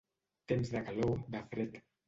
Temps de calor, de fred.